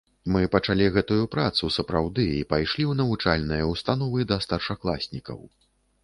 Мы пачалі гэтую працу, сапраўды, і пайшлі ў навучальныя ўстановы, да старшакласнікаў.